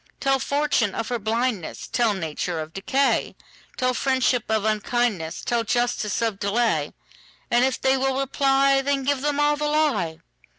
Tell fortune of her blindness; Tell nature of decay; Tell friendship of unkindness; Tell justice of delay; And if they will reply, Then give them all the lie.